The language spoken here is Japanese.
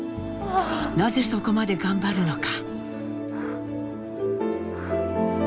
なぜそこまで頑張るのか。